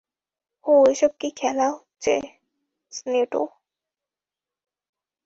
-হুঁ, এসব কি খেলা হচ্ছে স্নেটো?